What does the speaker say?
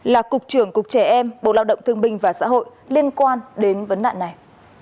là cục trưởng cục trẻ em bộ lao động thương binh và xã hội liên quan đến vấn nạn này